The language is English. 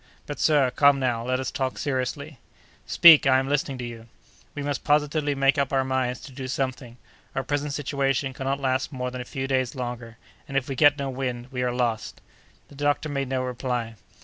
"But, sir, come now, let us talk seriously." "Speak! I am listening to you." "We must positively make up our minds to do something. Our present situation cannot last more than a few days longer, and if we get no wind, we are lost." The doctor made no reply.